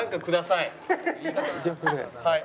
はい。